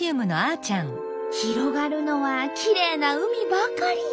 広がるのはきれいな海ばかり。